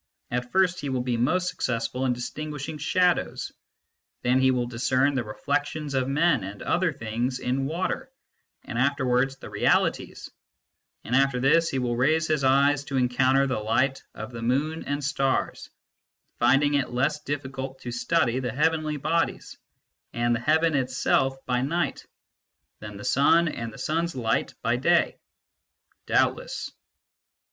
At first he will be most successful in distinguishing shadows ; then he will discern the reflections of men and other things in water, and afterwards the realities ; and after this he will raise his eyes to encounter the light of the moon and stars, finding it less difficult to study the heavenly bodies and the heaven itself by night, than the sun and the sun s light by day. Doubtless.